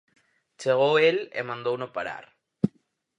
Chegou el e mandouno parar.